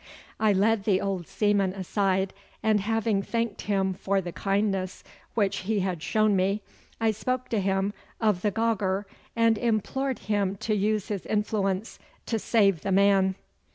I led the old seaman aside, and having thanked him for the kindness which he had shown me, I spoke to him of the gauger, and implored him to use his influence to save the man.